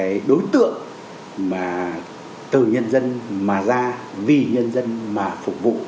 đấy là cái đối tượng mà từ nhân dân mà ra vì nhân dân mà phục vụ